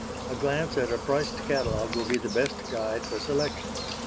A glance at a priced catalogue will be the best guide for selection.